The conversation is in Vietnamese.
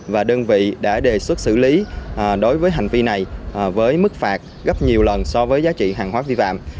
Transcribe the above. và đơn vị đã đề xuất xử lý đối với hành vi này với mức phạt gấp nhiều lần so với giá trị hàng hóa vi phạm